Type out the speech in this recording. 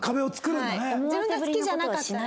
自分が好きじゃなかったら。